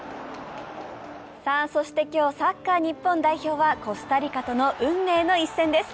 そして、今日、サッカー日本代表はコスタリカとの運命の一戦です。